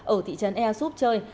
ở thị trấn ea xúp chơi